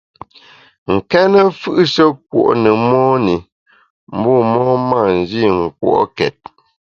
Nkéne mfù’she kùo’ ne mon i, bu mon mâ nji nkùo’ket.